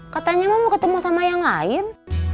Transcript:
katanya mau ketemu sama yang lain